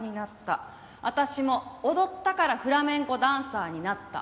私も踊ったからフラメンコダンサーになった。